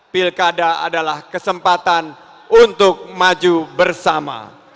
pilkada adalah kesempatan untuk maju bersama